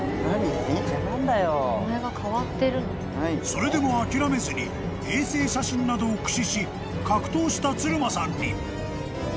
［それでも諦めずに衛星写真などを駆使し格闘したつるまさんに］